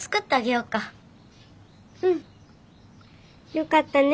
よかったね